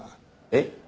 えっ？